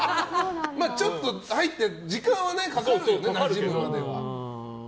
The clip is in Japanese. ちょっと入って時間はかかるよね、なじむまで。